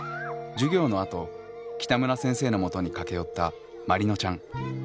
授業のあと北村先生のもとに駆け寄ったまりのちゃん。